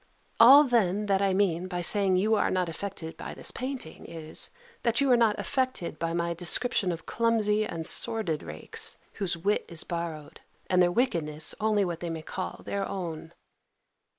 All then that I mean by saying you are not affected by this painting, is, that you are not affected by my description of clumsy and sordid rakes, whose wit is borrowed, and their wickedness only what they may call their own.